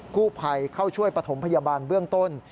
ผู้ภัยเข้าช่วยประถมพยาบาลเบื้องต้น